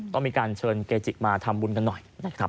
ต้องมีการเชิญเกจิมาทำบุญกันหน่อยนะครับ